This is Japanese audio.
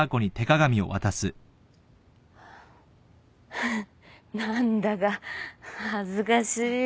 フフ何だか恥ずかしい。